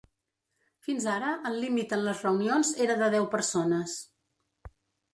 Fins ara, el límit en les reunions era de deu persones.